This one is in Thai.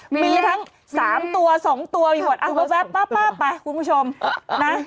มี๓ตัว๒ตัวไปป่ะไปคุณผู้ชมนะ